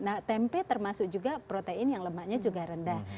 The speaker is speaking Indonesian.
nah tempe termasuk juga protein yang lemaknya juga rendah